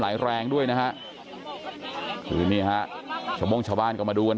ไหลแรงด้วยนะฮะคือนี่ฮะชาวโม่งชาวบ้านก็มาดูกัน